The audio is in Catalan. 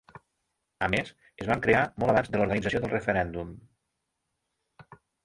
A més, es van crear molt abans de l’organització del referèndum.